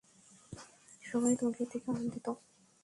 সবাই তোমাকে দেখে আন্দদিত।